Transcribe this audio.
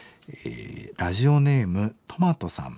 ラジオネームトマトさん。